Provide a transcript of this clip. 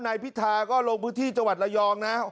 ในพิธาก็ลงพื้นที่จัวร์ลายองนะ